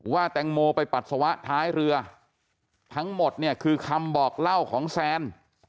แตงโมไปปัสสาวะท้ายเรือทั้งหมดเนี่ยคือคำบอกเล่าของแซน